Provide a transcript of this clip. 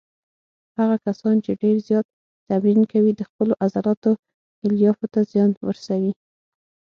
هغه کسان چې ډېر زیات تمرین کوي د خپلو عضلاتو الیافو ته زیان ورسوي.